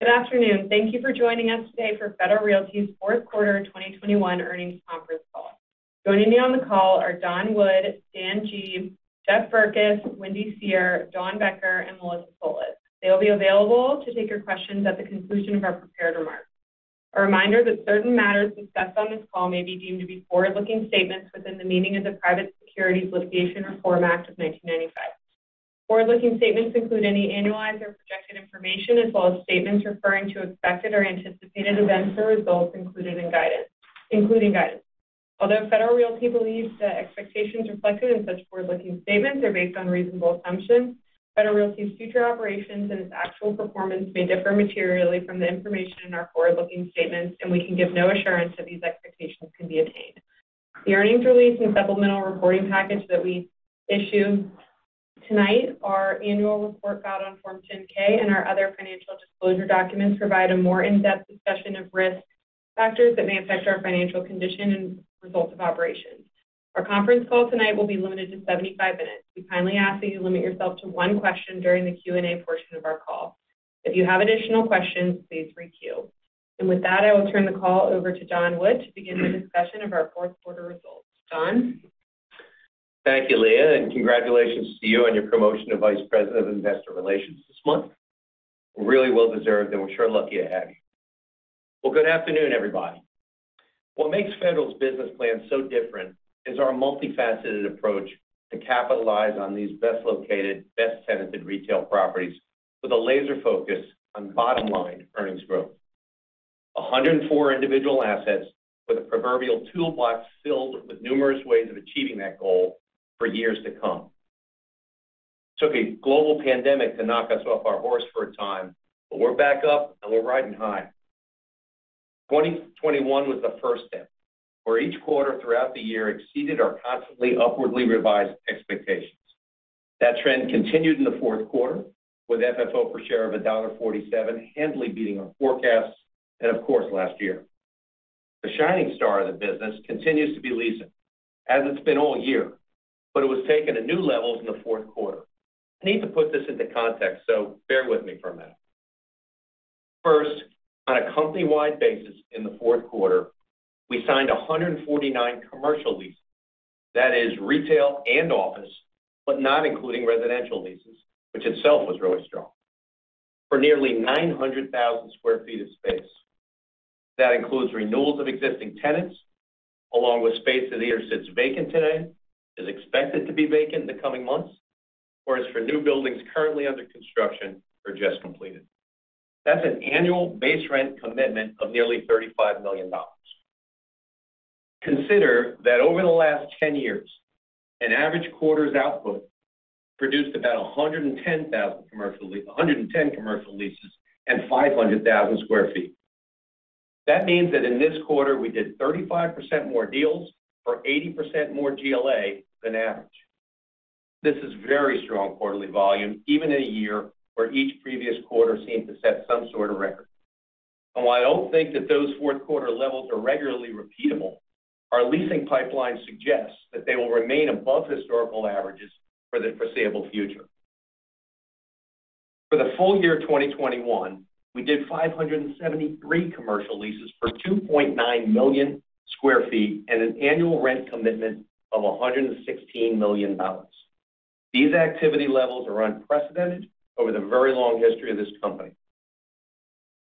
Good afternoon. Thank you for joining us today for Federal Realty's Fourth Quarter 2021 Earnings Conference Call. Joining me on the call are Don Wood, Dan Gee, Jeff Berkes, Wendy Seher, Dawn Becker, and Melissa Solis. They'll be available to take your questions at the conclusion of our prepared remarks. A reminder that certain matters discussed on this call may be deemed to be forward-looking statements within the meaning of the Private Securities Litigation Reform Act of 1995. Forward-looking statements include any annualized or projected information, as well as statements referring to expected or anticipated events or results included in guidance. Although Federal Realty believes that expectations reflected in such forward-looking statements are based on reasonable assumptions, Federal Realty's future operations and its actual performance may differ materially from the information in our forward-looking statements, and we can give no assurance that these expectations can be obtained. The earnings release and supplemental reporting package that we issue tonight, our annual report filed on Form 10-K and our other financial disclosure documents provide a more in-depth discussion of risk factors that may affect our financial condition and results of operations. Our conference call tonight will be limited to 75 minutes. We kindly ask that you limit yourself to one question during the Q&A portion of our call. If you have additional questions, please re-queue. With that, I will turn the call over to Don Wood to begin the discussion of our fourth quarter results. Don? Thank you, Leah, and congratulations to you on your promotion to Vice President of Investor Relations this month. Really well-deserved, and we're sure lucky to have you. Well, good afternoon, everybody. What makes Federal's business plan so different is our multifaceted approach to capitalize on these best located, best tenanted retail properties with a laser focus on bottom-line earnings growth. 104 individual assets with a proverbial toolbox filled with numerous ways of achieving that goal for years to come. Took a global pandemic to knock us off our horse for a time, but we're back up, and we're riding high. 2021 was the first step, where each quarter throughout the year exceeded our constantly upwardly revised expectations. That trend continued in the fourth quarter with FFO per share of $1.47, handily beating our forecasts, and of course, last year. The shining star of the business continues to be leasing, as it's been all year, but it was taken to new levels in the fourth quarter. I need to put this into context, so bear with me for a minute. First, on a company-wide basis in the fourth quarter, we signed 149 commercial leases. That is retail and office, but not including residential leases, which itself was really strong, for nearly 900,000 sq ft of space. That includes renewals of existing tenants, along with space that either sits vacant today, is expected to be vacant in the coming months, or is for new buildings currently under construction or just completed. That's an annual base rent commitment of nearly $35 million. Consider that over the last 10 years, an average quarter's output produced about 110,000 commercial leases and 500,000 sq ft. That means that in this quarter, we did 35% more deals for 80% more GLA than average. This is very strong quarterly volume, even in a year where each previous quarter seemed to set some sort of record. While I don't think that those fourth quarter levels are regularly repeatable, our leasing pipeline suggests that they will remain above historical averages for the foreseeable future. For the full year 2021, we did 573 commercial leases for 2.9 million sq ft and an annual rent commitment of $116 million. These activity levels are unprecedented over the very long history of this company.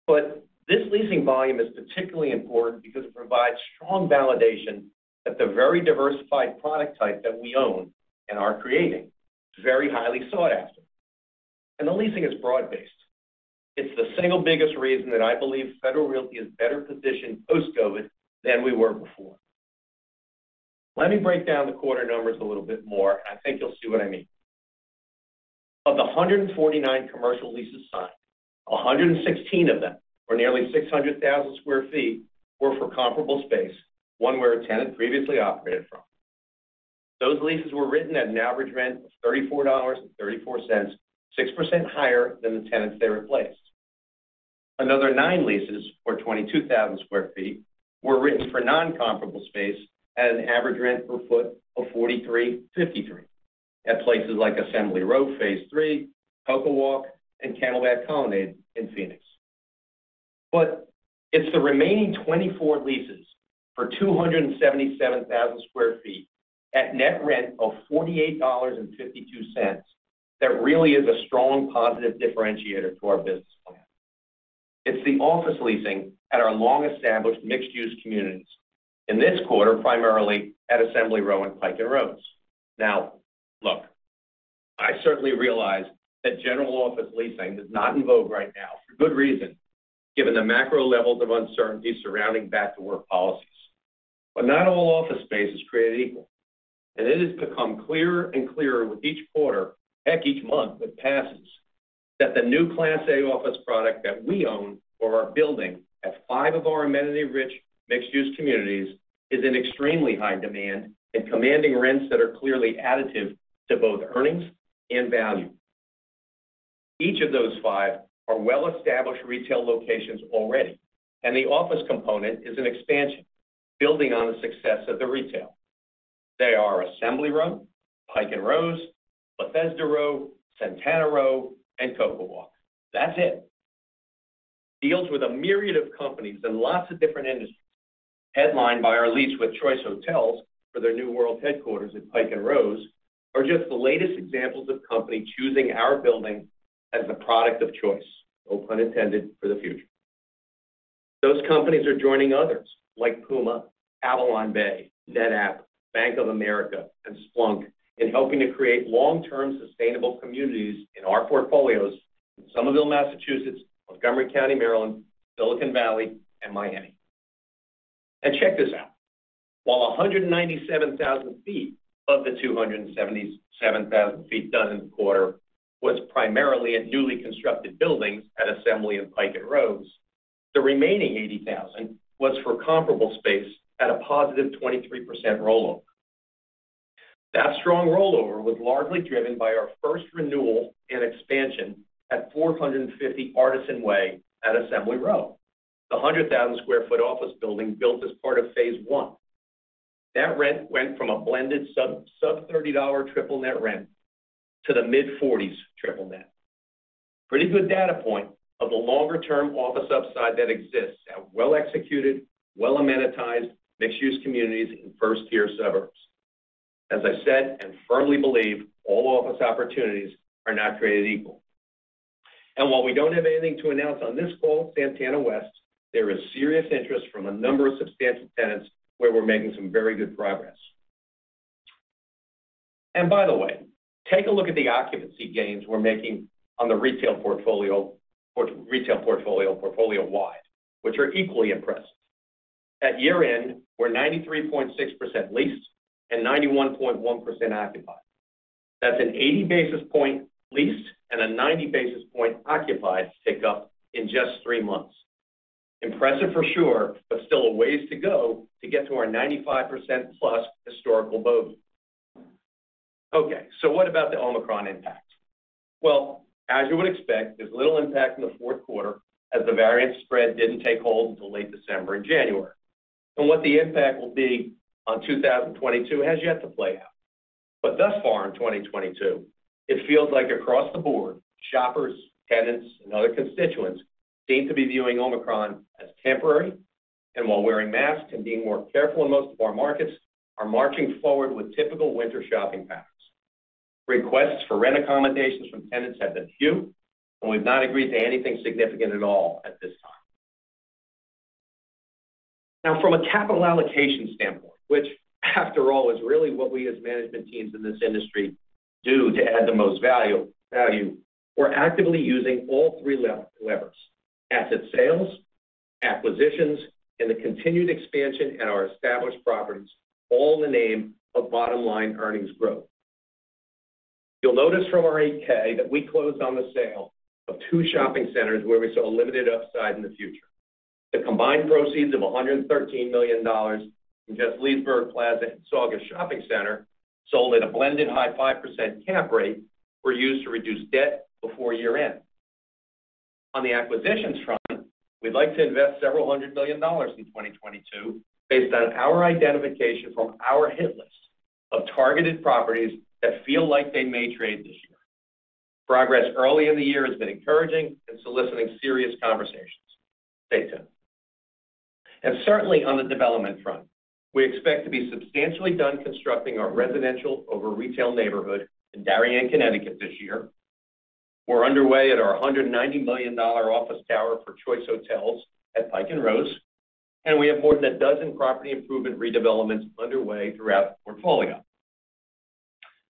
This leasing volume is particularly important because it provides strong validation that the very diversified product type that we own and are creating is very highly sought after. The leasing is broad-based. It's the single biggest reason that I believe Federal Realty is better positioned post-COVID than we were before. Let me break down the quarter numbers a little bit more, and I think you'll see what I mean. Of the 149 commercial leases signed, 116 of them, or nearly 600,000 sq ft, were for comparable space, one where a tenant previously operated from. Those leases were written at an average rent of $34.34, 6% higher than the tenants they replaced. Another 9 leases for 22,000 sq ft were written for non-comparable space at an average rent per foot of $43.53 at places like Assembly Row, phase III, CocoWalk, and Camelback Colonnade in Phoenix. It's the remaining 24 leases for 277,000 sq ft at net rent of $48.52 that really is a strong positive differentiator to our business plan. It's the office leasing at our long-established mixed-use communities. In this quarter, primarily at Assembly Row and Pike & Rose. Now, look, I certainly realize that general office leasing is not in vogue right now for good reason, given the macro levels of uncertainty surrounding back-to-work policies. Not all office space is created equal, and it has become clearer and clearer with each quarter, heck, each month that passes, that the new class A office product that we own or are building at five of our amenity-rich mixed-use communities is in extremely high demand and commanding rents that are clearly additive to both earnings and value. Each of those five are well-established retail locations already, and the office component is an expansion, building on the success of the retail. They are Assembly Row, Pike & Rose, Bethesda Row, Santana Row, and CocoWalk. That's it. Deals with a myriad of companies in lots of different industries, headlined by our lease with Choice Hotels for their new world headquarters at Pike & Rose, are just the latest examples of companies choosing our building as a product of choice, no pun intended, for the future. Those companies are joining others like PUMA, AvalonBay, NetApp, Bank of America, and Splunk in helping to create long-term sustainable communities in our portfolios in Somerville, Massachusetts, Montgomery County, Maryland, Silicon Valley, and Miami. Check this out. While 197,000 sq ft of the 277,000 sq ft done in the quarter was primarily in newly constructed buildings at Assembly Row and Pike & Rose, the remaining 80,000 sq ft was for comparable space at a positive 23% rollover. That strong rollover was largely driven by our first renewal and expansion at 450 Artisan Way at Assembly Row, the 100,000 sq ft office building built as part of phase one. That rent went from a blended sub-$30 triple net rent to the mid-$40s triple net. Pretty good data point of the longer-term office upside that exists at well-executed, well-amenitized, mixed-use communities in first-tier suburbs. As I said and firmly believe, all office opportunities are not created equal. While we don't have anything to announce on this call at Santana West, there is serious interest from a number of substantial tenants where we're making some very good progress. By the way, take a look at the occupancy gains we're making on the retail portfolio-wide, which are equally impressive. At year-end, we're 93.6% leased and 91.1% occupied. That's an 80 basis point leased and a 90 basis point occupied tick up in just three months. Impressive for sure, but still a ways to go to get to our 95%+ historical bogey. Okay. What about the Omicron impact? Well, as you would expect, there's little impact in the fourth quarter as the variant spread didn't take hold until late December and January. What the impact will be on 2022 has yet to play out. Thus far in 2022, it feels like across the board, shoppers, tenants, and other constituents seem to be viewing Omicron as temporary, and while wearing masks and being more careful, in most of our markets are marching forward with typical winter shopping patterns. Requests for rent accommodations from tenants have been few, and we've not agreed to anything significant at all at this time. Now from a capital allocation standpoint, which after all is really what we as management teams in this industry do to add the most value, we're actively using all three levers, asset sales, acquisitions, and the continued expansion at our established properties, all in the name of bottom-line earnings growth. You'll notice from our 8-K that we closed on the sale of two shopping centers where we saw limited upside in the future. The combined proceeds of $113 million from just Leesburg Plaza and Saugus Shopping Center, sold at a blended high 5% cap rate, were used to reduce debt before year-end. On the acquisitions front, we'd like to invest several hundred million dollars in 2022 based on our identification from our hit list of targeted properties that feel like they may trade this year. Progress early in the year has been encouraging and soliciting serious conversations. Stay tuned. Certainly on the development front, we expect to be substantially done constructing our residential over retail neighborhood in Darien, Connecticut this year. We're underway at our $190 million office tower for Choice Hotels at Pike & Rose, and we have more than a dozen property improvement redevelopments underway throughout the portfolio.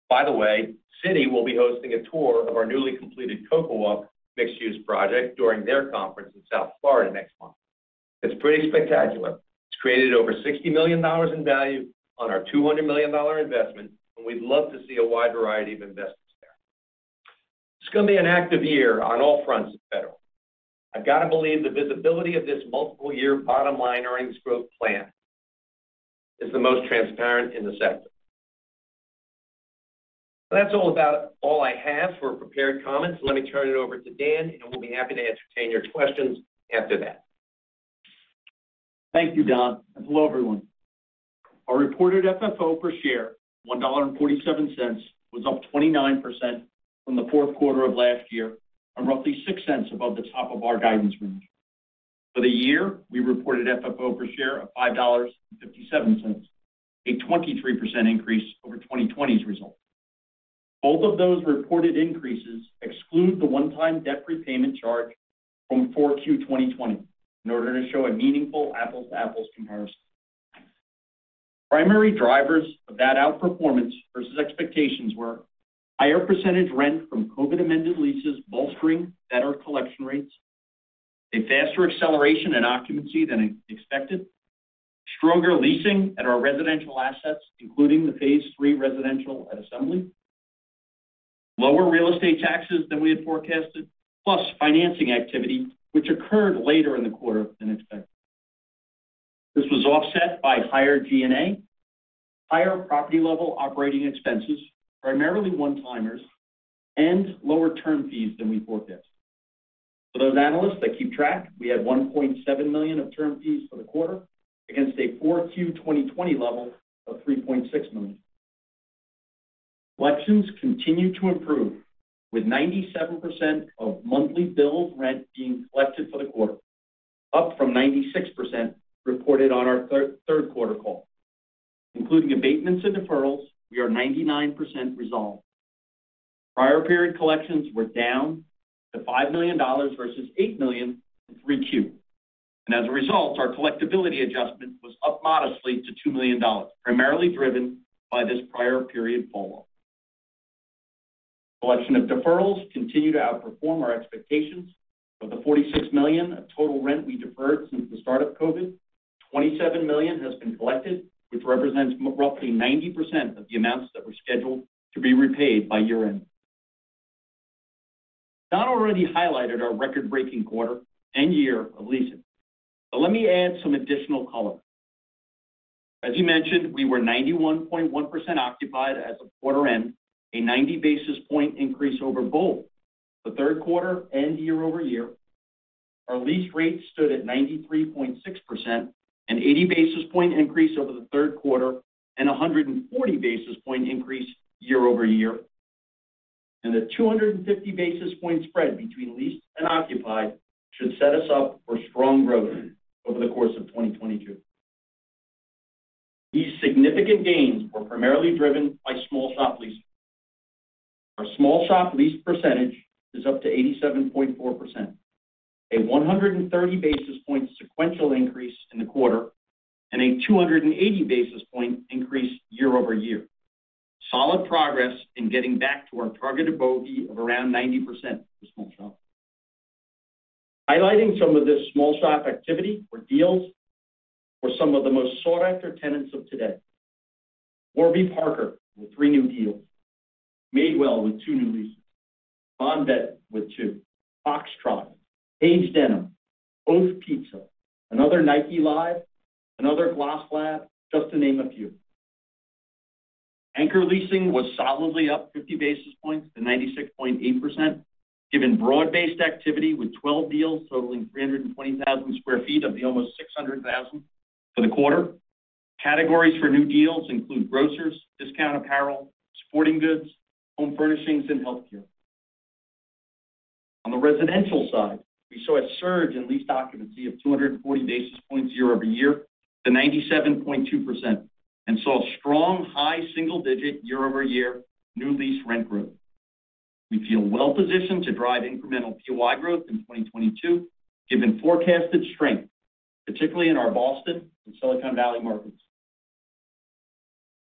By the way, Citi will be hosting a tour of our newly completed CocoWalk mixed-use project during their conference in South Florida next month. It's pretty spectacular. It's created over $60 million in value on our $200 million investment, and we'd love to see a wide variety of investors there. It's going to be an active year on all fronts at Federal. I've got to believe the visibility of this multiple year bottom-line earnings growth plan is the most transparent in the sector. That's about all I have for prepared comments. Let me turn it over to Dan, and we'll be happy to entertain your questions after that. Thank you, Don. Hello, everyone. Our reported FFO per share, $1.47, was up 29% from the fourth quarter of last year and roughly $0.06 above the top of our guidance range. For the year, we reported FFO per share of $5.57, a 23% increase over 2020's result. Both of those reported increases exclude the one-time debt repayment charge from 4Q 2020 in order to show a meaningful apples-to-apples comparison. Primary drivers of that outperformance versus expectations were higher percentage rent from COVID-amended leases bolstering better collection rates, a faster acceleration in occupancy than expected, stronger leasing at our residential assets, including the phase three residential at Assembly, lower real estate taxes than we had forecasted, plus financing activity which occurred later in the quarter than expected. This was offset by higher G&A, higher property level operating expenses, primarily one-timers, and lower term fees than we forecast. For those analysts that keep track, we had $1.7 million of term fees for the quarter against a 4Q 2020 level of $3.6 million. Collections continue to improve with 97% of monthly billed rent being collected for the quarter, up from 96% reported on our third quarter call. Including abatements and deferrals, we are 99% resolved. Prior period collections were down to $5 million versus $8 million in 3Q. As a result, our collectibility adjustment was up modestly to $2 million, primarily driven by this prior period follow up. Collection of deferrals continue to outperform our expectations. Of the $46 million of total rent we deferred since the start of COVID, $27 million has been collected, which represents roughly 90% of the amounts that were scheduled to be repaid by year-end. Don already highlighted our record-breaking quarter and year of leasing. Let me add some additional color. As he mentioned, we were 91.1% occupied as of quarter end, a 90 basis point increase over both the third quarter and year-over-year. Our lease rates stood at 93.6%, an 80 basis point increase over the third quarter and a 140 basis point increase year-over-year. The 250 basis point spread between leased and occupied should set us up for strong growth over the course of 2022. These significant gains were primarily driven by small shop leasing. Our small shop lease percentage is up to 87.4%, a 130 basis point sequential increase in the quarter and a 280 basis point increase year over year. Solid progress in getting back to our targeted bogey of around 90% for small shop. Highlighting some of this small shop activity or deals were some of the most sought after tenants of today. Warby Parker with 3 new deals. Madewell with 2 new leases. Bonobos with 2. Foxtrot, PAIGE, Oath Pizza, another Nike Live, another GLOSSLAB, just to name a few. Anchor leasing was solidly up 50 basis points to 96.8% given broad-based activity with 12 deals totaling 320,000 sq ft of the almost 600,000 for the quarter. Categories for new deals include grocers, discount apparel, sporting goods, home furnishings, and healthcare. On the residential side, we saw a surge in lease occupancy of 240 basis points year-over-year to 97.2% and saw strong high single digit year-over-year new lease rent growth. We feel well positioned to drive incremental NOI growth in 2022 given forecasted strength, particularly in our Boston and Silicon Valley markets.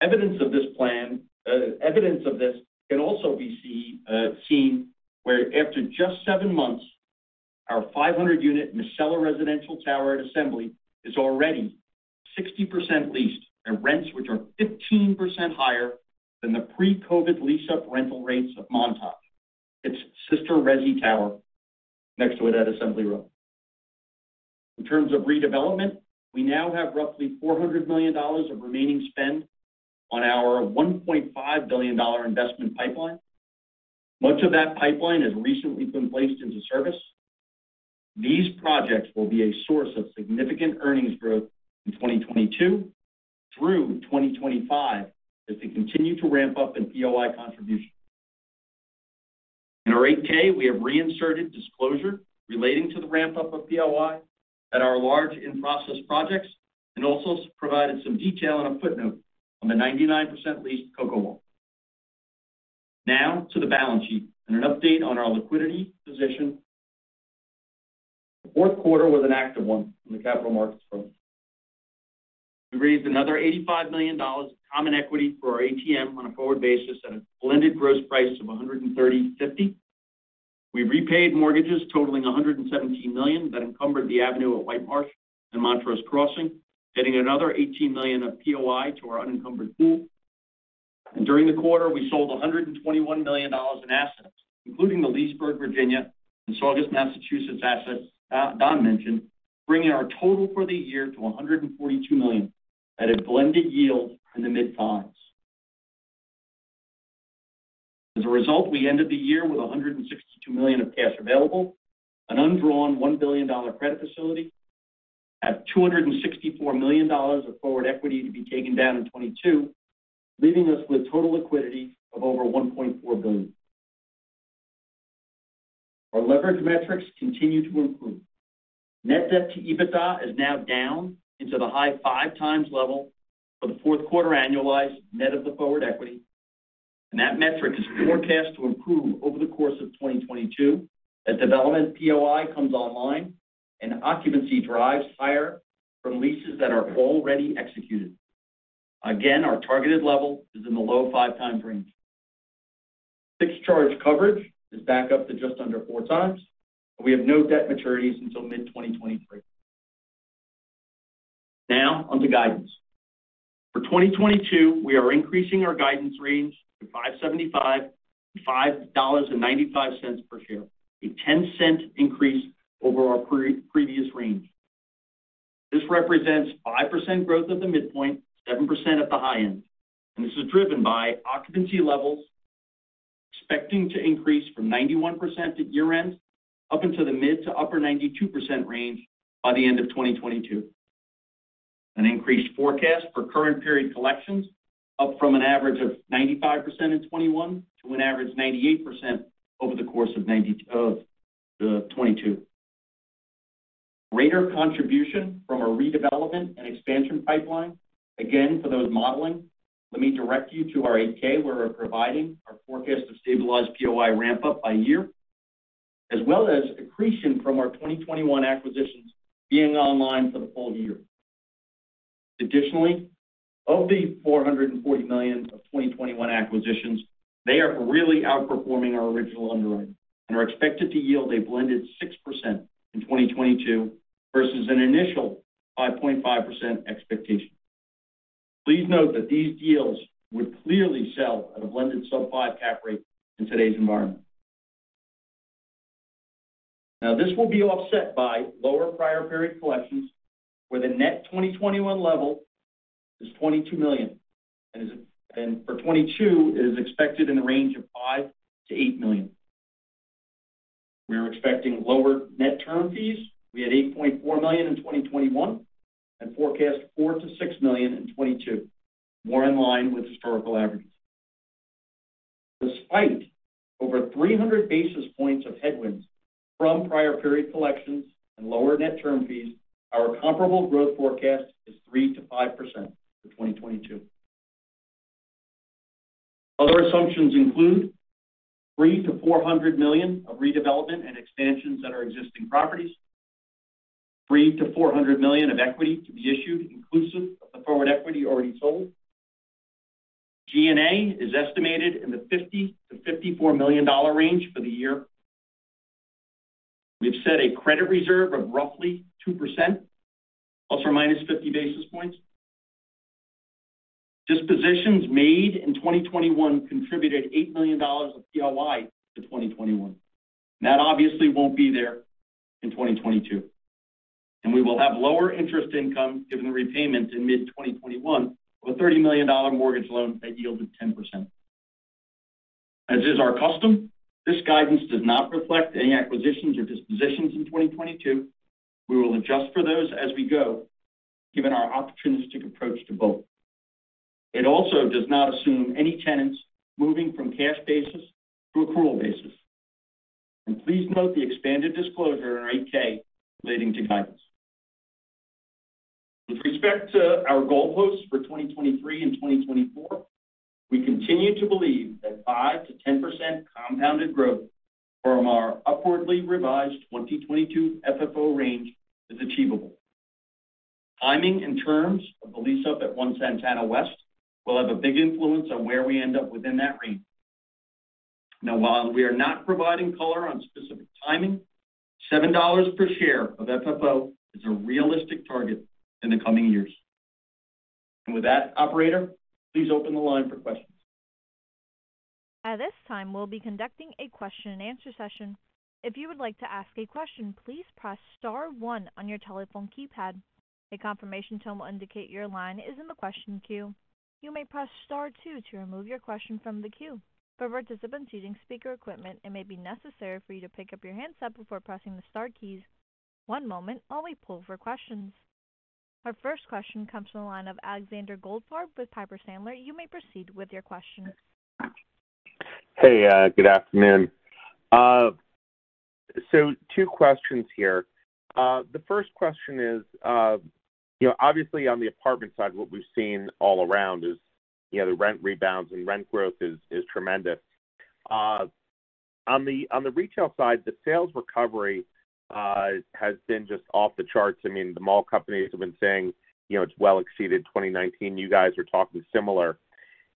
Evidence of this can also be seen where after just 7 months, our 500-unit Miscela residential tower at Assembly is already 60% leased at rents which are 15% higher than the pre-COVID lease-up rental rates of Montage, its sister resi tower next to it at Assembly Row. In terms of redevelopment, we now have roughly $400 million of remaining spend on our $1.5 billion investment pipeline. Much of that pipeline has recently been placed into service. These projects will be a source of significant earnings growth in 2022 through 2025 as they continue to ramp up in POI contribution. In our 8-K, we have reinserted disclosure relating to the ramp up of POI at our large in-process projects and also provided some detail in a footnote on the 99% leased CocoWalk. Now to the balance sheet and an update on our liquidity position. The fourth quarter was an active one from the capital markets front. We raised another $85 million of common equity for our ATM on a forward basis at a blended gross price of $135. We repaid mortgages totaling $117 million that encumbered the Avenue at White Marsh and Montrose Crossing, getting another $18 million of NOI to our unencumbered pool. During the quarter, we sold $121 million in assets, including the Leesburg, Virginia, and Saugus, Massachusetts assets Don mentioned, bringing our total for the year to $142 million at a blended yield in the mid-5s. As a result, we ended the year with $162 million of cash available, an undrawn $1 billion credit facility at $264 million of forward equity to be taken down in 2022, leaving us with total liquidity of over $1.4 billion. Our leverage metrics continue to improve. Net debt to EBITDA is now down into the high 5x level for the fourth quarter annualized net of the forward equity. That metric is forecast to improve over the course of 2022 as development NOI comes online and occupancy drives higher from leases that are already executed. Again, our targeted level is in the low 5x range. Fixed charge coverage is back up to just under 4x. We have no debt maturities until mid-2023. Now on to guidance. For 2022, we are increasing our guidance range to $5.75-$5.95 per share, a 10-cent increase over our pre-previous range. This represents 5% growth at the midpoint, 7% at the high end. This is driven by occupancy levels expecting to increase from 91% at year-end up into the mid- to upper-92% range by the end of 2022. Increased forecast for current period collections up from an average of 95% in 2021 to an average 98% over the course of 2022. Greater contribution from our redevelopment and expansion pipeline. Again, for those modeling, let me direct you to our 8-K, where we're providing our forecast of stabilized NOI ramp up by year, as well as accretion from our 2021 acquisitions being online for the full year. Additionally, of the $440 million of 2021 acquisitions, they are really outperforming our original underwriting and are expected to yield a blended 6% in 2022 versus an initial 5.5% expectation. Please note that these deals would clearly sell at a blended sub 5 cap rate in today's environment. Now, this will be offset by lower prior period collections, where the net 2021 level is $22 million. For 2022, it is expected in the range of $5 million-$8 million. We are expecting lower net term fees. We had $8.4 million in 2021 and forecast $4 million-$6 million in 2022, more in line with historical averages. Despite over 300 basis points of headwinds from prior period collections and lower net term fees, our comparable growth forecast is 3%-5% for 2022. Other assumptions include $300 million-$400 million of redevelopment and expansions at our existing properties, $300 million-$400 million of equity to be issued inclusive of the forward equity already sold. G&A is estimated in the $50-$54 million range for the year. We've set a credit reserve of roughly 2%, plus or minus 50 basis points. Dispositions made in 2021 contributed $8 million of NOI to 2021. That obviously won't be there in 2022. We will have lower interest income given the repayments in mid-2021 of a $30 million mortgage loan that yielded 10%. As is our custom, this guidance does not reflect any acquisitions or dispositions in 2022. We will adjust for those as we go given our opportunistic approach to both. It also does not assume any tenants moving from cash basis to accrual basis. Please note the expanded disclosure in our 8-K relating to guidance. With respect to our goalposts for 2023 and 2024, we continue to believe that 5%-10% compounded growth from our upwardly revised 2022 FFO range is achievable. Timing and terms of the lease up at One Santana West will have a big influence on where we end up within that range. Now while we are not providing color on specific timing, $7 per share of FFO is a realistic target in the coming years. With that, operator, please open the line for questions. At this time, we'll be conducting a question-and-answer session. If you would like to ask a question, please press star one on your telephone keypad. A confirmation tone will indicate your line is in the question queue. You may press star two to remove your question from the queue. For participants using speaker equipment, it may be necessary for you to pick up your handset before pressing the star keys. One moment while we pull for questions. Our first question comes from the line of Alexander Goldfarb with Piper Sandler. You may proceed with your question. Hey, good afternoon. Two questions here. The first question is, you know, obviously on the apartment side, what we've seen all around is, you know, the rent rebounds and rent growth is tremendous. On the retail side, the sales recovery has been just off the charts. I mean, the mall companies have been saying, you know, it's well exceeded 2019. You guys are talking similar.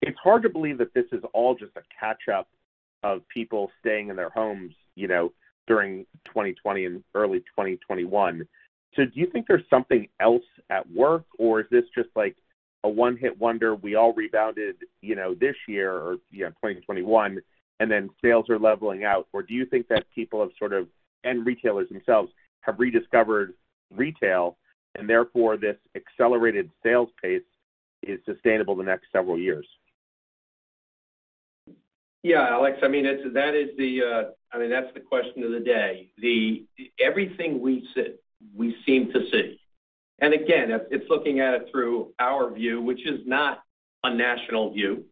It's hard to believe that this is all just a catch up of people staying in their homes, you know, during 2020 and early 2021. Do you think there's something else at work, or is this just like a one-hit wonder, we all rebounded, you know, this year or, you know, in 2021, and then sales are leveling out? Do you think that people have sort of, and retailers themselves have rediscovered retail, and therefore this accelerated sales pace is sustainable the next several years? Yeah, Alex, I mean, that's the question of the day. Everything we seem to see, and again, it's looking at it through our view, which is not a national view.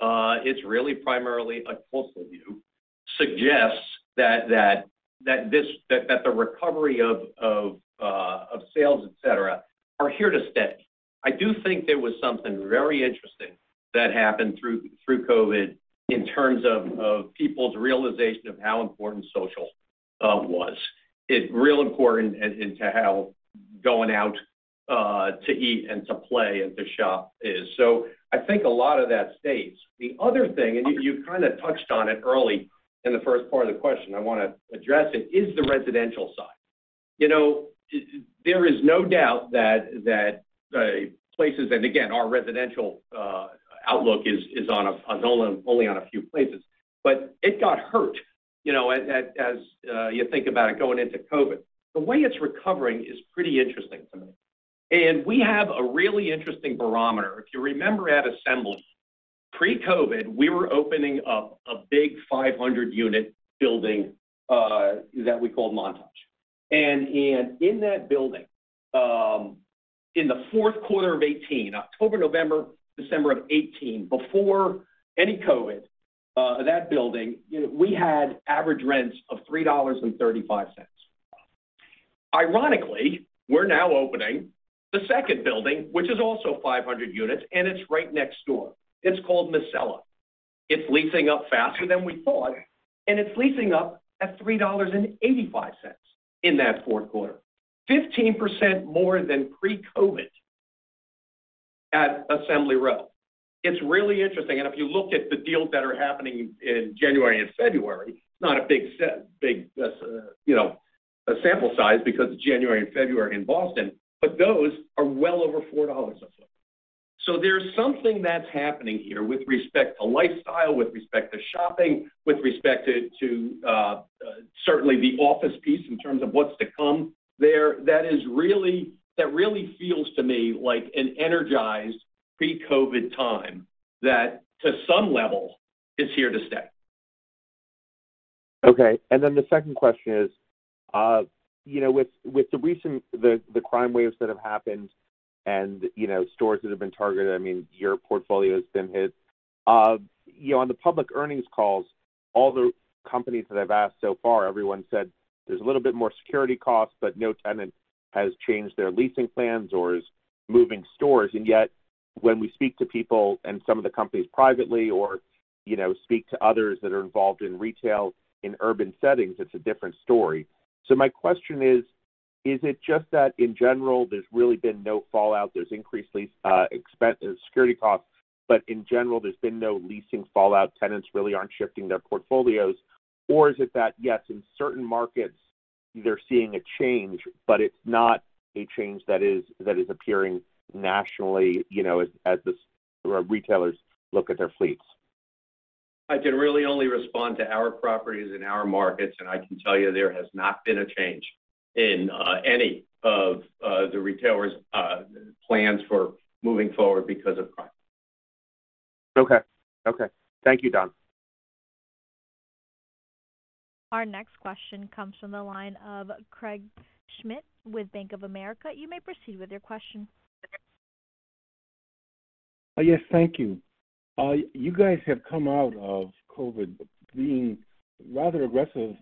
It's really primarily a coastal view, suggests that the recovery of sales, etc., are here to stay. I do think there was something very interesting that happened through COVID in terms of people's realization of how important social was. Really important into how going out to eat and to play and to shop is. So I think a lot of that stays. The other thing, and you kind of touched on it early in the first part of the question, I want to address it, is the residential side. You know, there is no doubt that places. Again, our residential outlook is only on a few places. It got hurt. You know, as you think about it going into COVID, the way it's recovering is pretty interesting to me. We have a really interesting barometer. If you remember at Assembly, pre-COVID, we were opening up a big 500-unit building that we called Montage. In that building, in the fourth quarter of 2018, October, November, December of 2018, before any COVID, that building, you know, we had average rents of $3.35. Ironically, we're now opening the second building, which is also 500 units, and it's right next door. It's called Miscela. It's leasing up faster than we thought, and it's leasing up at $3.85 in that fourth quarter. 15% more than pre-COVID at Assembly Row. It's really interesting. If you look at the deals that are happening in January and February, not a big sample size, you know, because it's January and February in Boston, but those are well over $4 a foot. There's something that's happening here with respect to lifestyle, with respect to shopping, with respect to certainly the office piece in terms of what's to come there that really feels to me like an energized pre-COVID time that to some level is here to stay. Okay. The second question is, you know, with the recent crime waves that have happened and, you know, stores that have been targeted, I mean, your portfolio has been hit. You know, on the public earnings calls, all the companies that I've asked so far, everyone said there's a little bit more security costs, but no tenant has changed their leasing plans or is moving stores. Yet when we speak to people and some of the companies privately or, you know, speak to others that are involved in retail in urban settings, it's a different story. My question is it just that in general there's really been no fallout, there's increased security costs, but in general, there's been no leasing fallout, tenants really aren't shifting their portfolios? Is it that, yes, in certain markets they're seeing a change, but it's not a change that is appearing nationally, you know, or retailers look at their fleets. I can really only respond to our properties in our markets, and I can tell you there has not been a change in any of the retailers' plans for moving forward because of crime. Okay. Thank you, Don. Our next question comes from the line of Craig Schmidt with Bank of America. You may proceed with your question. Yes, thank you. You guys have come out of COVID being rather aggressive,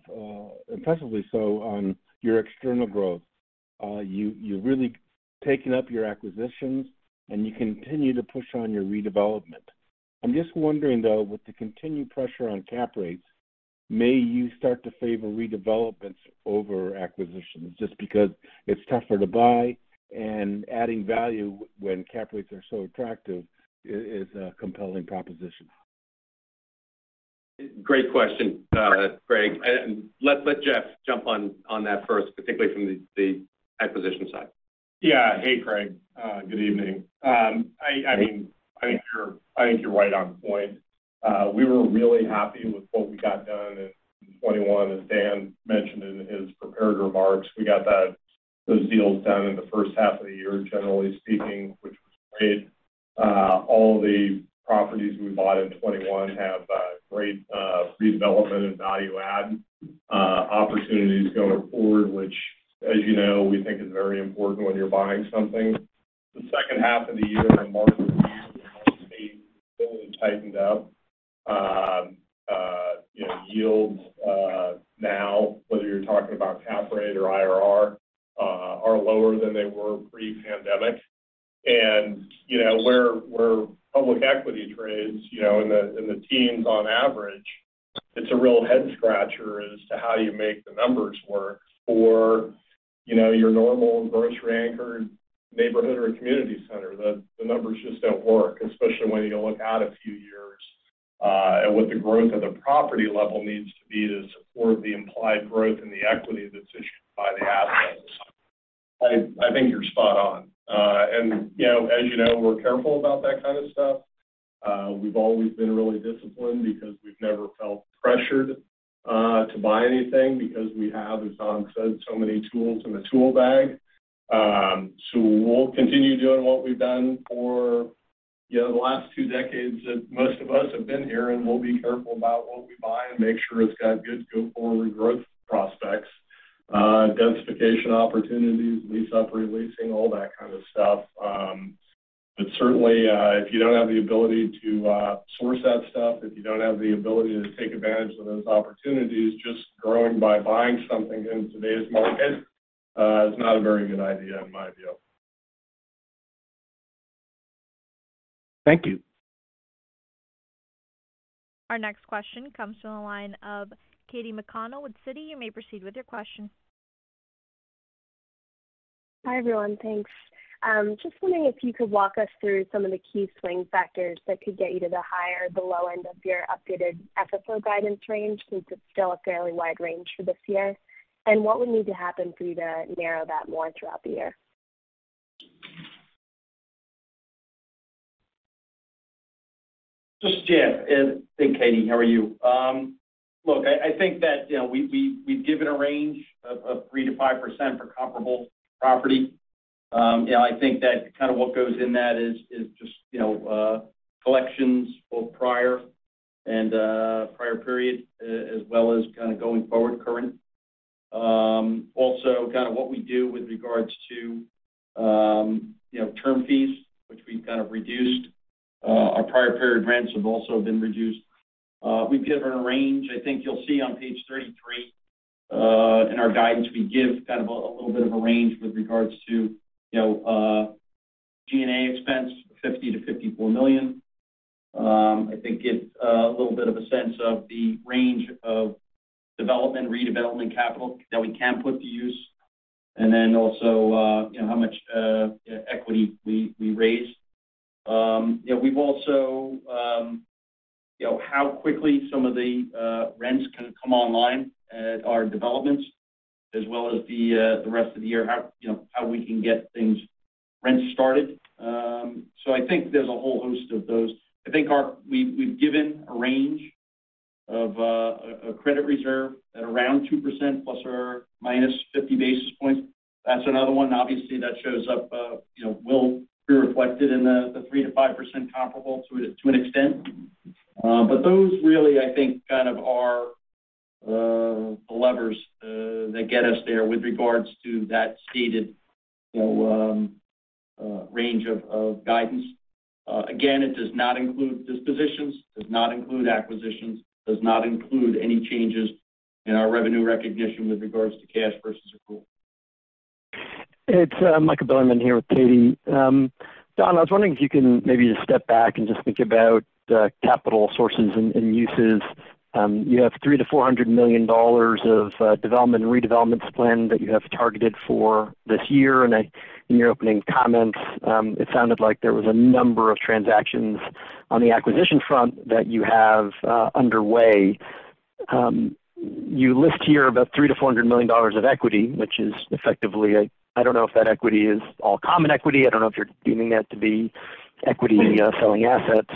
impressively so on your external growth. You, you've really taken up your acquisitions, and you continue to push on your redevelopment. I'm just wondering, though, with the continued pressure on cap rates, may you start to favor redevelopments over acquisitions just because it's tougher to buy and adding value when cap rates are so attractive is a compelling proposition. Great question, Craig. Let Jeff jump on that first, particularly from the acquisition side. Yeah. Hey, Craig. Good evening. I mean, I think you're right on point. We were really happy with what we got done in 2021, as Dan mentioned in his prepared remarks. We got those deals done in the first half of the year, generally speaking, which was great. All the properties we bought in 2021 have great redevelopment and value add opportunities going forward, which, as you know, we think is very important when you're buying something. The second half of the year our margins have Mm-hmm. Really tightened up. You know, yields now, whether you're talking about cap rate or IRR, are lower than they were pre-pandemic. You know, where public equity trades, you know, in the teens on average, it's a real head scratcher as to how you make the numbers work for, you know, your normal grocery anchored neighborhood or a community center. The numbers just don't work, especially when you look out a few years, and what the growth of the property level needs to be to support the implied growth in the equity that's issued by the asset. I think you're spot on. You know, as you know, we're careful about that kind of stuff. We've always been really disciplined because we've never felt pressured to buy anything because we have, as Don said, so many tools in the tool bag. We'll continue doing what we've done for, you know, the last two decades that most of us have been here, and we'll be careful about what we buy and make sure it's got good go forward growth prospects, densification opportunities, lease up, re-leasing, all that kind of stuff. Certainly, if you don't have the ability to source that stuff, if you don't have the ability to take advantage of those opportunities, just growing by buying something in today's market is not a very good idea in my view. Thank you. Our next question comes from the line of Katy McConnell with Citi. You may proceed with your question. Hi, everyone. Thanks. Just wondering if you could walk us through some of the key swing factors that could get you to the higher or the low end of your updated FFO guidance range, since it's still a fairly wide range for this year. What would need to happen for you to narrow that more throughout the year? This is Jeff, and hey, Katy, how are you? Look, I think that, you know, we've given a range of 3%-5% for comparable property. You know, I think that kind of what goes in that is just, you know, collections both prior and prior period, as well as kind of going forward current. Also kind of what we do with regards to, you know, term fees, which we've kind of reduced. Our prior period rents have also been reduced. We've given a range. I think you'll see on page 33, in our guidance, we give kind of a little bit of a range with regards to, you know, G&A expense, $50 million-$54 million. I think it's a little bit of a sense of the range of development, redevelopment capital that we can put to use, and then also, you know, how much equity we raise. You know, we've also, you know, how quickly some of the rents can come online at our developments as well as the rest of the year, how, you know, how we can get things rent started. I think there's a whole host of those. I think we've given a range of a credit reserve at around 2% ±50 basis points. That's another one, obviously, that shows up, you know, will be reflected in the 3%-5% comparable to an extent. Those really, I think, kind of are the levers that get us there with regards to that stated, you know, range of guidance. Again, it does not include dispositions, does not include acquisitions, does not include any changes in our revenue recognition with regards to cash versus accrual. It's Michael Bilerman here with Katy. Don, I was wondering if you can maybe just step back and just think about capital sources and uses. You have $300 million-$400 million of development and redevelopments planned that you have targeted for this year. In your opening comments, it sounded like there was a number of transactions on the acquisition front that you have underway. You list here about $300 million-$400 million of equity, which is effectively. I don't know if that equity is all common equity. I don't know if you're deeming that to be equity, selling assets.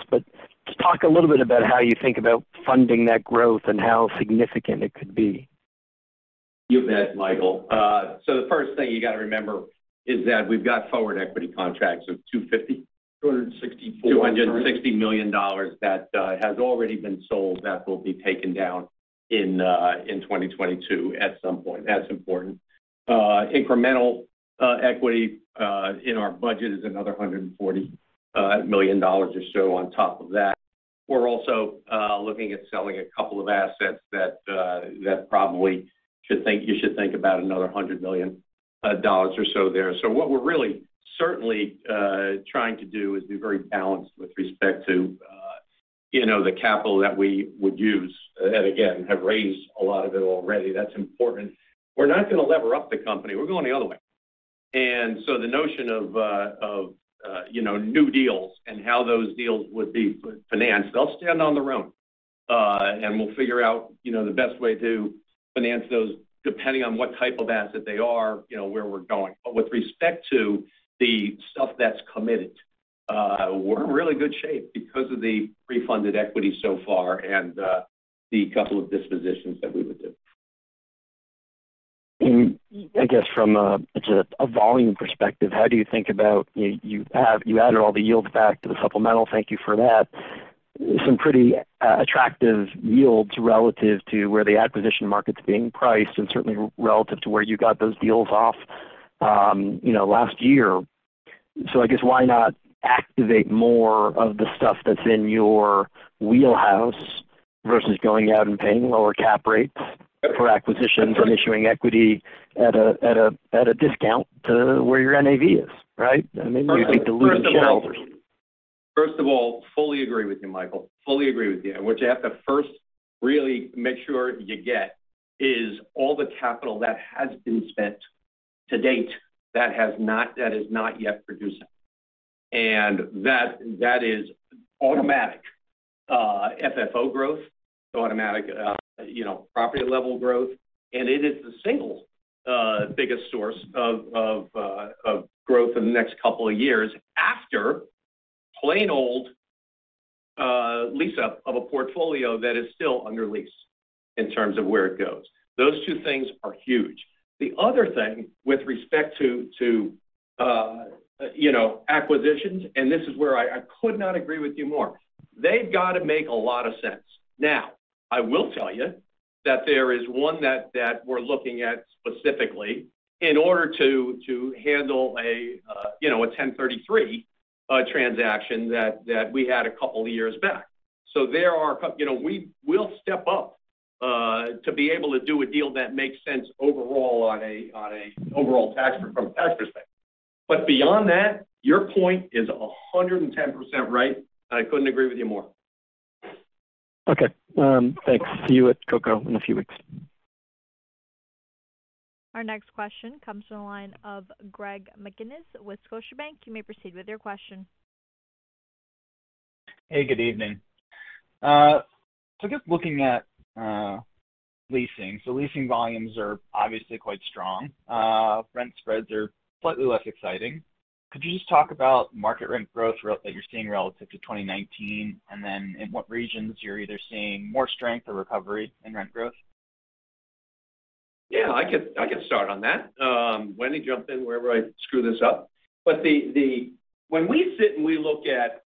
Just talk a little bit about how you think about funding that growth and how significant it could be. You bet, Michael. The first thing you gotta remember is that we've got forward equity contracts of $250 $260 million that has already been sold that will be taken down in 2022 at some point. That's important. Incremental equity in our budget is another $140 million or so on top of that. We're also looking at selling a couple of assets that probably you should think about another $100 million or so there. What we're really certainly trying to do is be very balanced with respect to you know the capital that we would use, and again, have raised a lot of it already. That's important. We're not gonna lever up the company. We're going the other way. The notion of you know new deals and how those deals would be financed, they'll stand on their own. We'll figure out, you know, the best way to finance those depending on what type of asset they are, you know, where we're going. With respect to the stuff that's committed, we're in really good shape because of the pre-funded equity so far and the couple of dispositions that we would do. I guess from a volume perspective, how do you think about, you have added all the yields back to the supplemental, thank you for that. Some pretty attractive yields relative to where the acquisition market's being priced and certainly relative to where you got those deals off, you know, last year. I guess why not activate more of the stuff that's in your wheelhouse versus going out and paying lower cap rates for acquisitions and issuing equity at a discount to where your NAV is, right? I mean, you'd be diluting shareholders. First of all, fully agree with you, Michael. What you have to first really make sure you get is all the capital that has been spent to date that is not yet producing. That is automatic FFO growth, so automatic, you know, property level growth. It is the single biggest source of growth in the next couple of years after plain old lease up of a portfolio that is still under lease in terms of where it goes. Those two things are huge. The other thing with respect to, you know, acquisitions, and this is where I could not agree with you more. They've got to make a lot of sense. Now, I will tell you that there is one that we're looking at specifically in order to handle a you know a 1033 exchange transaction that we had a couple of years back. There are, you know, we'll step up to be able to do a deal that makes sense overall from a tax perspective. Beyond that, your point is 110% right, and I couldn't agree with you more. Okay. Thanks. See you at CocoWalk in a few weeks. Our next question comes from the line of Greg McGinniss with Scotiabank. You may proceed with your question. Hey, good evening. Just looking at leasing. Leasing volumes are obviously quite strong. Rent spreads are slightly less exciting. Could you just talk about market rent growth that you're seeing relative to 2019, and then in what regions you're either seeing more strength or recovery in rent growth? Yeah, I could start on that. Wendy, jump in wherever I screw this up. When we sit and we look at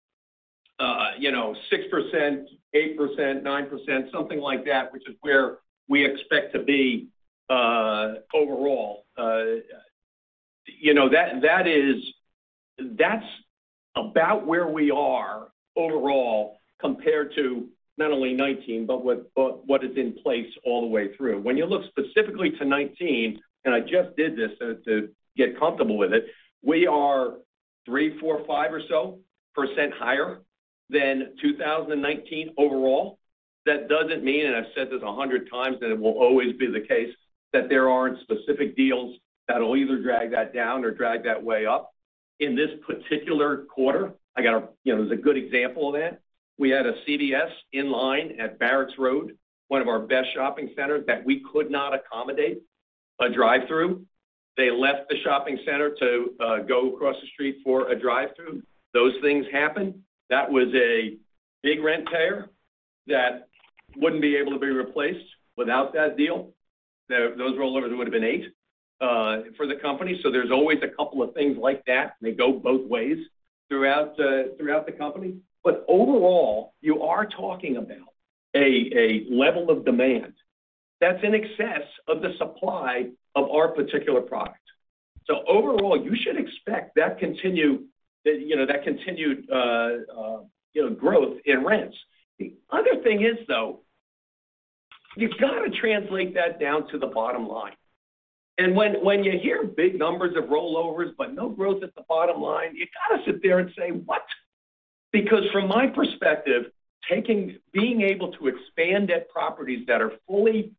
6%, 8%, 9%, something like that, which is where we expect to be overall, that is. That's about where we are overall compared to not only 2019, but what is in place all the way through. When you look specifically to 2019, and I just did this to get comfortable with it, we are 3, 4, 5 or so % higher than 2019 overall. That doesn't mean, and I've said this 100x, that it will always be the case, that there aren't specific deals that'll either drag that down or drag that way up. In this particular quarter, there's a good example of that. We had a CVS inline at Barracks Road, one of our best shopping centers, that we could not accommodate a drive-through. They left the shopping center to go across the street for a drive-through. Those things happen. That was a big rent payer that wouldn't be able to be replaced without that deal. Those rollovers would've been 8% for the company. There's always a couple of things like that, and they go both ways throughout the company. Overall, you are talking about a level of demand that's in excess of the supply of our particular product. Overall, you should expect that continued growth in rents. The other thing is, though, you've got to translate that down to the bottom line. When you hear big numbers of rollovers, but no growth at the bottom line, you've got to sit there and say, "What?" Because from my perspective, being able to expand at properties that are fully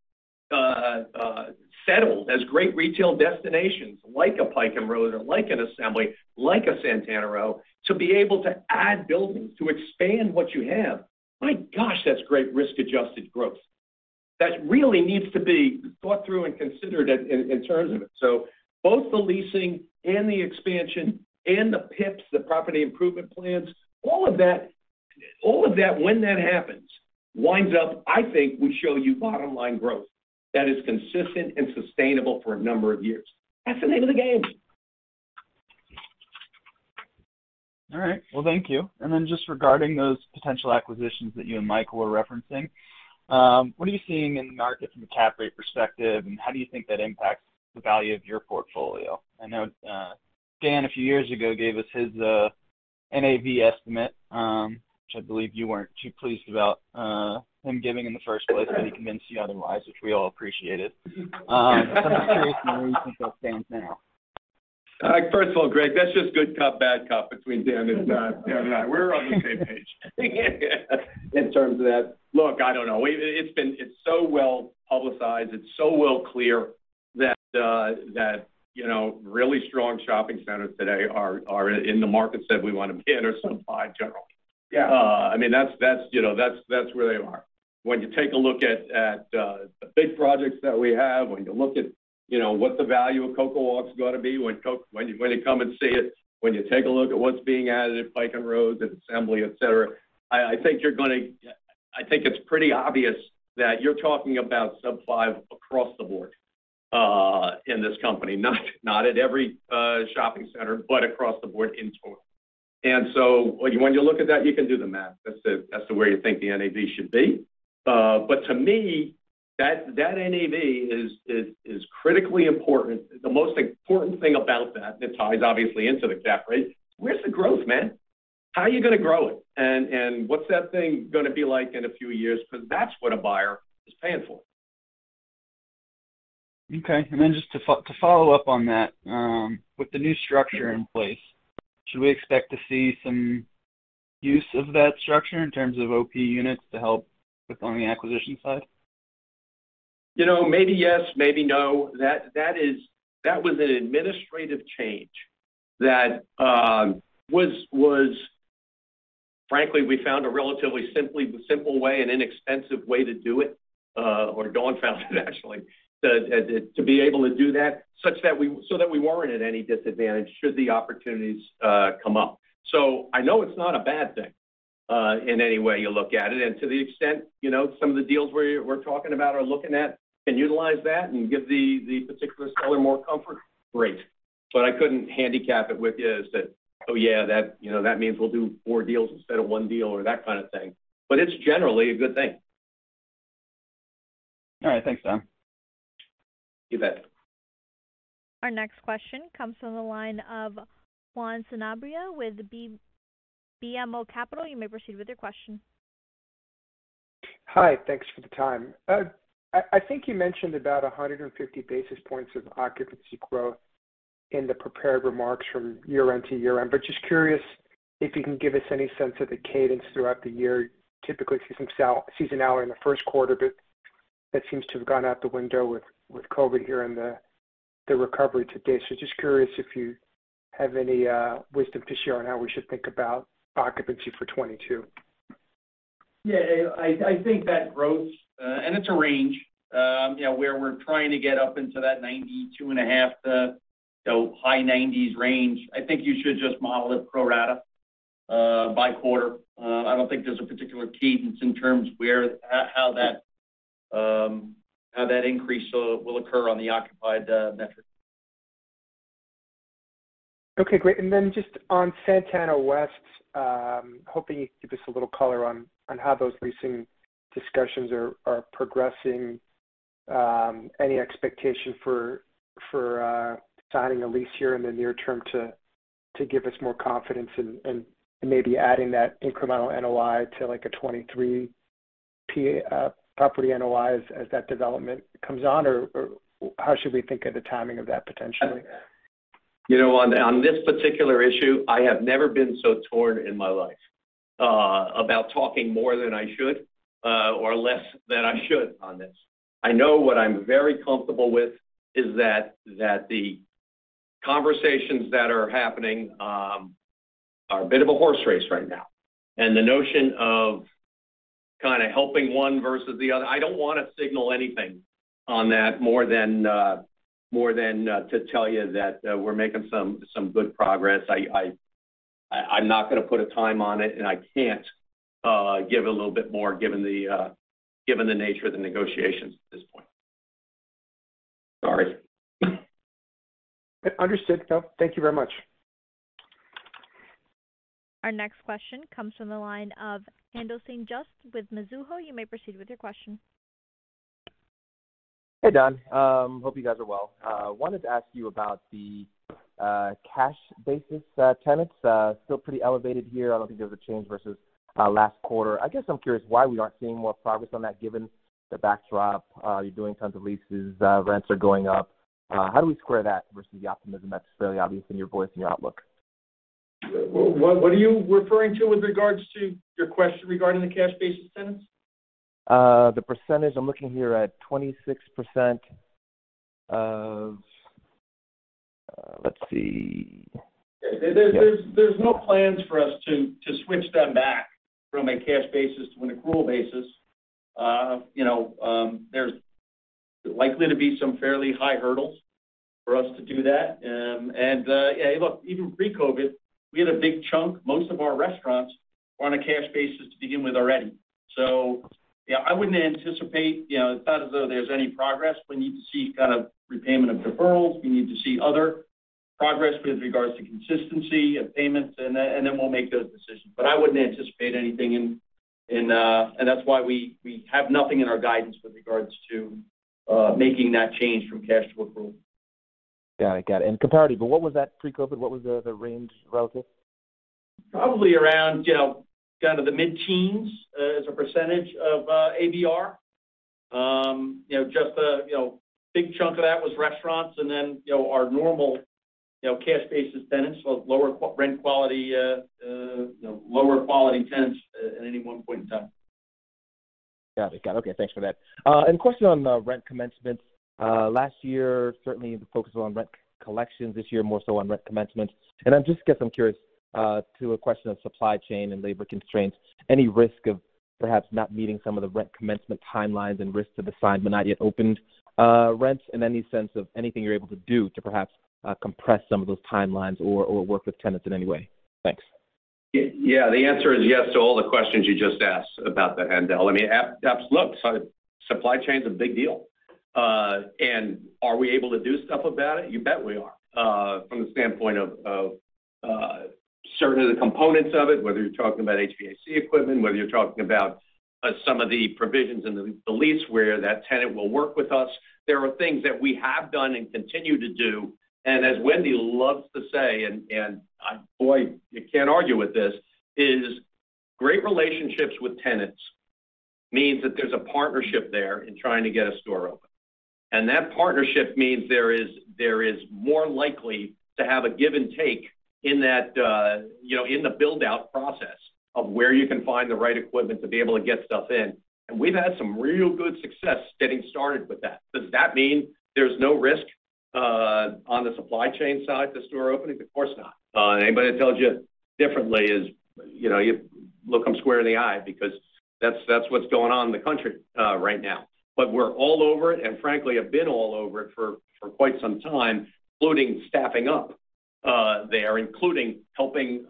settled as great retail destinations like a Pike & Rose or like an Assembly, like a Santana Row, to be able to add buildings, to expand what you have, my gosh, that's great risk-adjusted growth. That really needs to be thought through and considered in terms of it. Both the leasing and the expansion and the PIPs, the Property Improvement Plans, all of that, when that happens, winds up, I think, we show you bottom line growth that is consistent and sustainable for a number of years. That's the name of the game. All right. Well, thank you. Just regarding those potential acquisitions that you and Michael were referencing, what are you seeing in the market from a cap rate perspective, and how do you think that impacts the value of your portfolio? I know, Dan, a few years ago, gave us his NAV estimate, which I believe you weren't too pleased about, him giving in the first place, but he convinced you otherwise, which we all appreciated. I'm just curious on where you think that stands now. First of all, Greg, that's just good cop, bad cop between Dan and I. We're on the same page in terms of that. Look, I don't know. It's been so well-publicized. It's so clear that, you know, really strong shopping centers today are in the markets that we want to be in or supply generally. Yeah. I mean, that's, you know, that's where they are. When you take a look at the big projects that we have, when you look at, you know, what the value of CocoWalk's gonna be, when you come and see it, when you take a look at what's being added at Pike & Rose, at Assembly Row, et cetera, I think you're gonna. I think it's pretty obvious that you're talking about sub-5% across the board in this company, not at every shopping center, but across the board in total. When you look at that, you can do the math as to where you think the NAV should be. To me, that NAV is critically important. The most important thing about that, and it ties obviously into the cap rate, where's the growth, man? How are you gonna grow it? And what's that thing gonna be like in a few years? Because that's what a buyer is paying for. Okay. Just to follow up on that, with the new structure in place, should we expect to see some use of that structure in terms of OP units to help on the acquisition side? You know, maybe yes, maybe no. That was an administrative change that was. Frankly, we found a relatively simple way and inexpensive way to do it, or Don found it actually, to be able to do that such that we so that we weren't at any disadvantage should the opportunities come up. I know it's not a bad thing in any way you look at it. To the extent, you know, some of the deals we're talking about or looking at can utilize that and give the particular seller more comfort, great. I couldn't handicap it with you as to, oh, yeah, that, you know, that means we'll do four deals instead of one deal or that kind of thing. It's generally a good thing. All right. Thanks, Don. You bet. Our next question comes from the line of Juan Sanabria with BMO Capital. You may proceed with your question. Hi. Thanks for the time. I think you mentioned about 150 basis points of occupancy growth in the prepared remarks from year-end to year-end, but just curious if you can give us any sense of the cadence throughout the year, typically seasonal in the first quarter, but that seems to have gone out the window with COVID here and the recovery to date. Just curious if you have any wisdom to share on how we should think about occupancy for 2022? Yeah, I think that growth, and it's a range, you know, where we're trying to get up into that 92.5, high 90s range. I think you should just model it pro rata by quarter. I don't think there's a particular cadence in terms of how that increase will occur on the occupied metric. Okay, great. Just on Santana West, hoping you could give us a little color on how those leasing discussions are progressing. Any expectation for signing a lease here in the near term to give us more confidence in maybe adding that incremental NOI to, like, a 2023 property NOI as that development comes on, or how should we think of the timing of that potentially? You know, on this particular issue, I have never been so torn in my life about talking more than I should or less than I should on this. I know what I'm very comfortable with is that the conversations that are happening are a bit of a horse race right now. The notion of kinda helping one versus the other, I don't wanna signal anything on that more than to tell you that we're making some good progress. I'm not gonna put a time on it, and I can't give a little bit more, given the nature of the negotiations at this point. Sorry. Understood. No, thank you very much. Our next question comes from the line of Haendel St. Juste with Mizuho. You may proceed with your question. Hey, Don. Hope you guys are well. I wanted to ask you about the cash basis tenants still pretty elevated here. I don't think there was a change versus last quarter. I guess I'm curious why we aren't seeing more progress on that given the backdrop. You're doing tons of leases, rents are going up. How do we square that versus the optimism that's fairly obvious in your voice and your outlook? Well, what are you referring to with regards to your question regarding the cash basis tenants? The %, I'm looking here at 26% of. Let's see. There's no plans for us to switch them back from a cash basis to an accrual basis. You know, there's likely to be some fairly high hurdles for us to do that. Yeah, look, even pre-COVID, we had a big chunk, most of our restaurants were on a cash basis to begin with already. Yeah, I wouldn't anticipate, you know, it's not as though there's any progress. We need to see kind of repayment of deferrals. We need to see other progress with regards to consistency of payments, and then we'll make those decisions. I wouldn't anticipate anything, and that's why we have nothing in our guidance with regards to making that change from cash to accrual. Got it. Comparably, but what was that pre-COVID? What was the range relative? Probably around, you know, kind of the mid-teens% of ABR. You know, just the big chunk of that was restaurants and then, you know, our normal, you know, cash basis tenants, so lower quality tenants at any one point in time. Got it. Okay, thanks for that. A question on rent commencement. Last year, certainly the focus was on rent collection. This year, more so on rent commencement. I'm just, I guess, curious as to the question of supply chain and labor constraints. Any risk of perhaps not meeting some of the rent commencement timelines and risks of signed but not yet opened rents in any sense of anything you're able to do to perhaps compress some of those timelines or work with tenants in any way? Thanks. Yeah. The answer is yes to all the questions you just asked about that, Haendel. I mean, look, supply chain's a big deal. Are we able to do stuff about it? You bet we are, from the standpoint of certainly the components of it, whether you're talking about HVAC equipment, whether you're talking about some of the provisions in the lease where that tenant will work with us. There are things that we have done and continue to do. As Wendy loves to say, boy, you can't argue with this, is great relationships with tenants means that there's a partnership there in trying to get a store open. That partnership means there is more likely to have a give and take in that, you know, in the build-out process of where you can find the right equipment to be able to get stuff in. We've had some real good success getting started with that. Does that mean there's no risk on the supply chain side to store openings? Of course not. Anybody that tells you differently is you know, you look them square in the eye because that's what's going on in the country right now. We're all over it, and frankly, have been all over it for quite some time, including staffing up there, including helping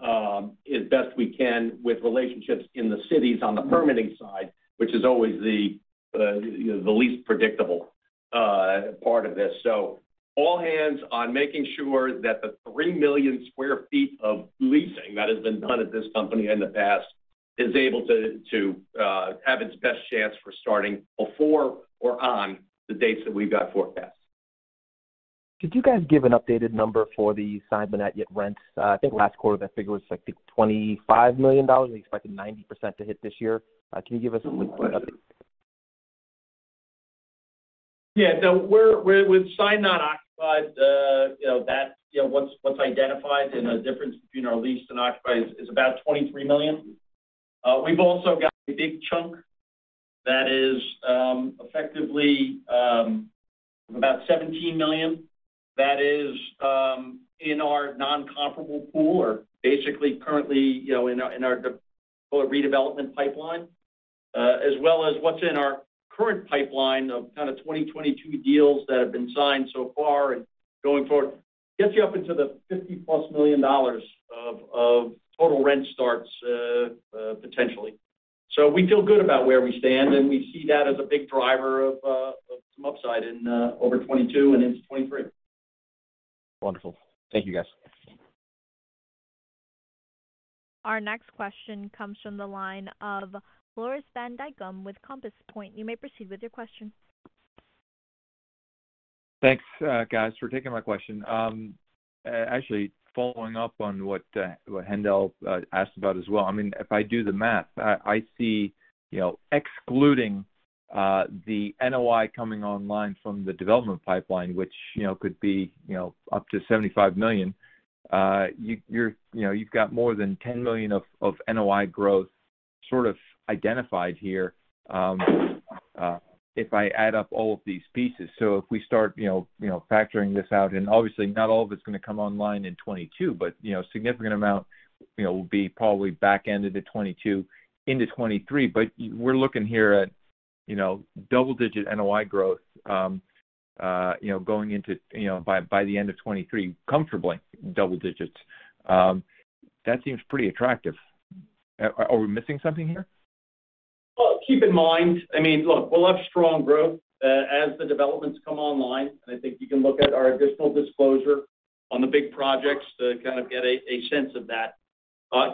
as best we can with relationships in the cities on the permitting side, which is always the you know, the least predictable part of this. All hands on making sure that the 3 million sq ft of leasing that has been done at this company in the past is able to have its best chance for starting before or on the dates that we've got forecast. Could you guys give an updated number for the signed but not yet rents? I think last quarter that figure was $25 million. Are you expecting 90% to hit this year? Can you give us a link for that? No, we're with signed, not occupied. That's what's identified and the difference between our leased and occupied is about $23 million. We've also got a big chunk that is effectively about $17 million in our non-comparable pool or basically currently in our, we call it, redevelopment pipeline, as well as what's in our current pipeline of kind of 2022 deals that have been signed so far and going forward. That gets you up into the $50+ million of total rent starts potentially. We feel good about where we stand, and we see that as a big driver of some upside over 2022 and into 2023. Wonderful. Thank you guys. Our next question comes from the line of Floris van Dijkum with Compass Point. You may proceed with your question. Thanks, guys, for taking my question. Actually, following up on what Haendel asked about as well, I mean, if I do the math, I see, you know, excluding the NOI coming online from the development pipeline, which, you know, could be, you know, up to $75 million, you're, you know, you've got more than $10 million of NOI growth sort of identified here, if I add up all of these pieces. If we start, you know, factoring this out, and obviously not all of it's gonna come online in 2022, but, you know, a significant amount, you know, will be probably back end into 2022, into 2023. We're looking here at, you know, double-digit NOI growth, you know, going into, you know, by the end of 2023, comfortably double digits. That seems pretty attractive. Are we missing something here? Well, keep in mind I mean, look, we'll have strong growth as the developments come online, and I think you can look at our additional disclosure on the big projects to kind of get a sense of that.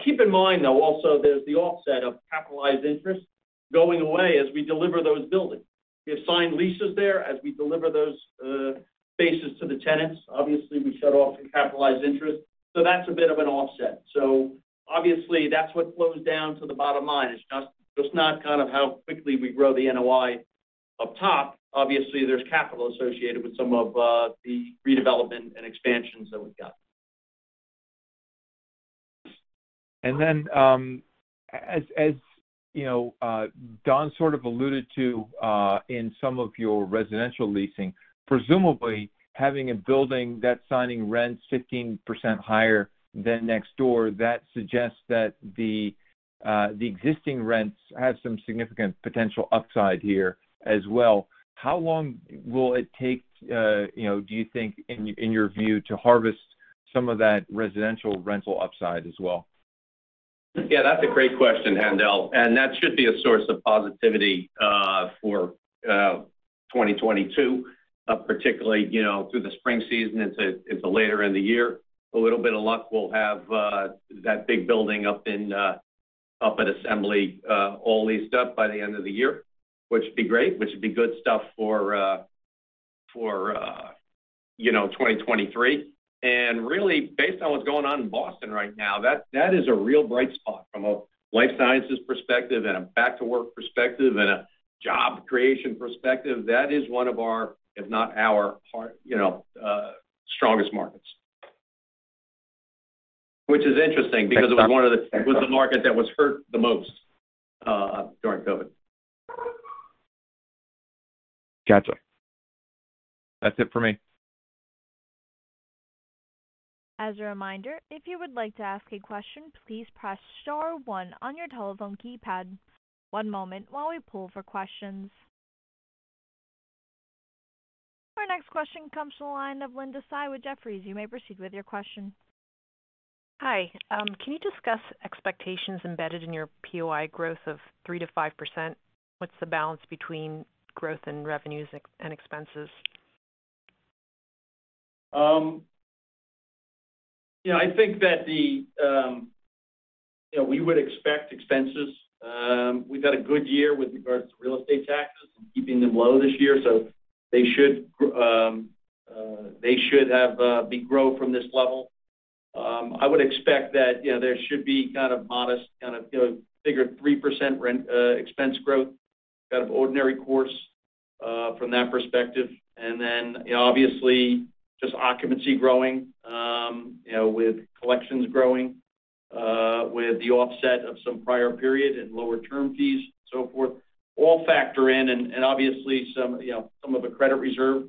Keep in mind, though, also there's the offset of capitalized interest going away as we deliver those buildings. We have signed leases there. As we deliver those spaces to the tenants, obviously we shut off the capitalized interest. That's a bit of an offset. Obviously that's what flows down to the bottom line. It's just it's not kind of how quickly we grow the NOI up top. Obviously, there's capital associated with some of the redevelopment and expansions that we've got. As you know, Don sort of alluded to, in some of your residential leasing, presumably having a building that's signing rents 15% higher than next door, that suggests that the existing rents have some significant potential upside here as well. How long will it take, you know, do you think, in your view, to harvest some of that residential rental upside as well? Yeah, that's a great question, Haendel, and that should be a source of positivity for 2022, particularly, you know, through the spring season into later in the year. A little bit of luck, we'll have that big building up at Assembly all leased up by the end of the year, which would be great, which would be good stuff for, you know, 2023. Really based on what's going on in Boston right now, that is a real bright spot from a life sciences perspective and a back to work perspective and a job creation perspective. That is one of our, if not our hardest, you know, strongest markets. Which is interesting because it was the market that was hurt the most during COVID. Gotcha. That's it for me. As a reminder, if you would like to ask a question, please press star one on your telephone keypad. One moment while we poll for questions. Our next question comes from the line of Linda Tsai with Jefferies. You may proceed with your question. Hi. Can you discuss expectations embedded in your NOI growth of 3%-5%? What's the balance between growth in revenues ex- and expenses? You know, I think that we would expect expenses. We've had a good year with regards to real estate taxes and keeping them low this year, so they should have big growth from this level. I would expect that, you know, there should be kind of modest, kind of, you know, figure 3% rent expense growth in ordinary course from that perspective. Then, you know, obviously just occupancy growing, you know, with collections growing, with the offset of some prior period and lower termination fees and so forth, all factor in, and obviously some, you know, some of the credit reserve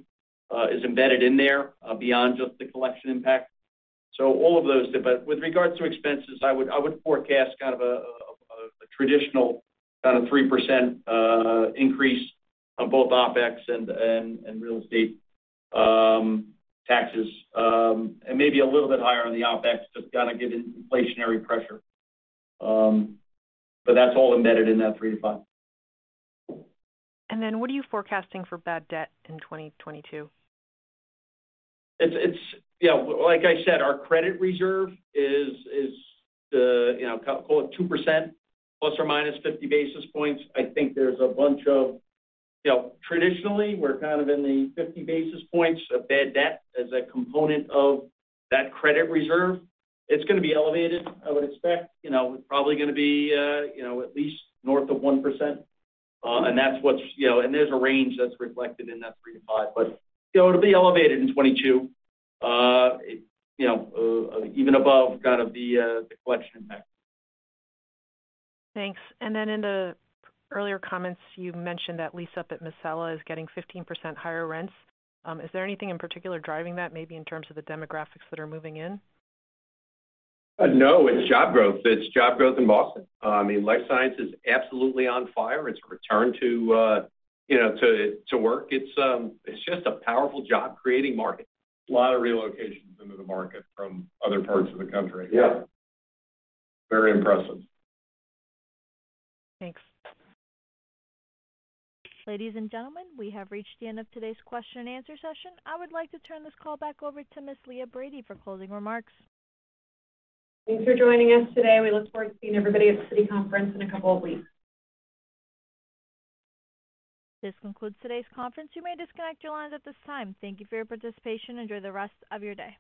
is embedded in there, beyond just the collection impact. All of those. With regards to expenses, I would forecast kind of a traditional kind of 3% increase on both OpEx and real estate taxes. Maybe a little bit higher on the OpEx, just kinda given inflationary pressure. That's all embedded in that 3%-5%. What are you forecasting for bad debt in 2022? You know, like I said, our credit reserve is the, you know, call it 2%+ or -50 basis points. I think there's a bunch of. You know, traditionally, we're kind of in the 50 basis points of bad debt as a component of that credit reserve. It's gonna be elevated, I would expect. You know, probably gonna be at least north of 1%. That's what's. There's a range that's reflected in that 3%-5%. You know, it'll be elevated in 2022, even above kind of the collection impact. Thanks. In the earlier comments, you mentioned that lease up at Miscela is getting 15% higher rents. Is there anything in particular driving that, maybe in terms of the demographics that are moving in? No, it's job growth. It's job growth in Boston. I mean, life science is absolutely on fire. It's a return to, you know, work. It's just a powerful job creating market. A lot of relocations into the market from other parts of the country. Yeah. Very impressive. Thanks. Ladies and gentlemen, we have reached the end of today's question and answer session. I would like to turn this call back over to Ms. Leah Brady for closing remarks. Thanks for joining us today. We look forward to seeing everybody at the Citi conference in a couple of weeks. This concludes today's conference. You may disconnect your lines at this time. Thank you for your participation. Enjoy the rest of your day.